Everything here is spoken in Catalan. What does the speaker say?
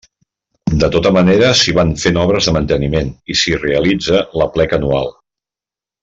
De tota manera, s'hi van fent obres de manteniment, i s'hi realitza l'aplec anual.